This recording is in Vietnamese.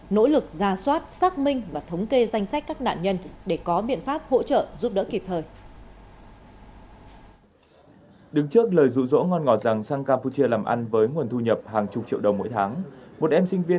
nỗ lực ra soát xác minh và thống kê danh sách các nạn nhân để có biện pháp hỗ trợ giúp đỡ kịp thời